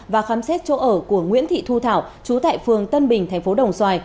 và khám xét chỗ ở của nguyễn thị thu thảo chú tại phường tân bình thành phố đồng xoài